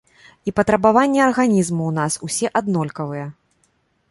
І патрабаванні арганізму ў нас усе аднолькавыя.